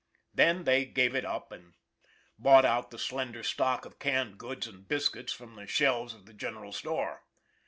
300 ON THE IRON AT BIG CLOUD Then they gave it up, and bought out the slender stock of canned goods and biscuits from the shelves of the general store.